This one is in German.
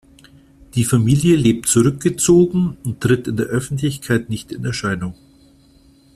Die Familie lebt zurückgezogen und tritt in der Öffentlichkeit nicht in Erscheinung.